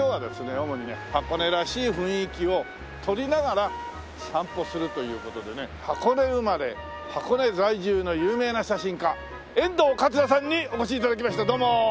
主にね箱根らしい雰囲気を撮りながら散歩するという事でね箱根生まれ箱根在住の有名な写真家遠藤桂さんにお越し頂きましたどうも。